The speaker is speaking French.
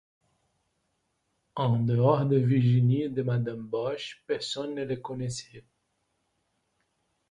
En dehors de Virginie et de madame Boche, personne ne le connaissait.